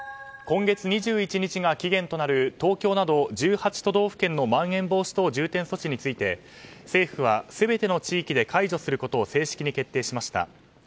今月２１日が期限となる東京など１８都道府県のまん延防止等重点措置について政府は全ての地域で解除することを正式に決定しました。